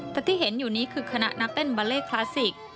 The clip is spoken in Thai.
แต่ที่เห็นอยู่นี้คือคณะนักเต้นบาเล่คลาสสิก